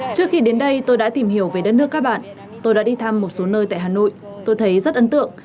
trước khi đến đây tôi đã tìm hiểu về đất nước các bạn tôi đã đi thăm một số nơi tại hà nội tôi thấy rất ấn tượng